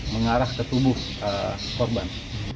mengarah ke tubuh korban